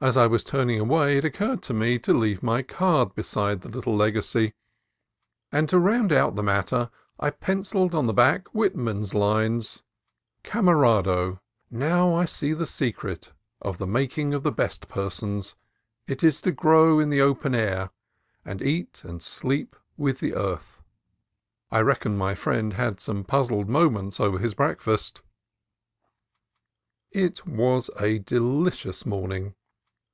As I was turning away it occurred to me to leave my card beside the little legacy; and to round out the matter I pencilled on the back Whitman's lines — "Camarado ... Now I see the secret of the making of the best persons, It is to grow in the open air and eat and sleep with the earth." I reckon my friend had some puzzled moments over his breakfast. It was a delicious morning.